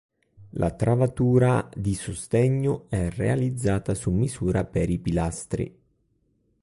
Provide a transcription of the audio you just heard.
La travatura di sostegno è realizzata su misura per i pilastri.